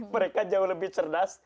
mereka jauh lebih cerdas